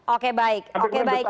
oke baik oke baik